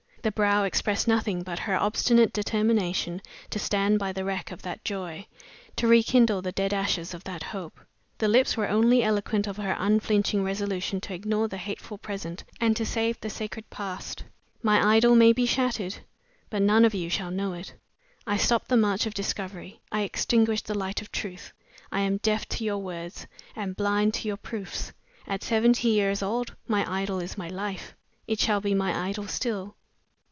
The brow expressed nothing but her obstinate determination to stand by the wreck of that joy, to rekindle the dead ashes of that hope. The lips were only eloquent of her unflinching resolution to ignore the hateful present and to save the sacred past. "My idol may be shattered, but none of you shall know it. I stop the march of discovery; I extinguish the light of truth. I am deaf to your words; am blind to your proofs. At seventy years old, my idol is my life. It shall be my idol still."